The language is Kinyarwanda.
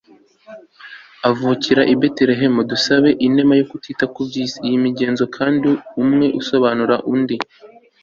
avukira i betelehemu dusabe inema yo kutita ku by'isi. iyi migenzo kandi umwe usobanura undi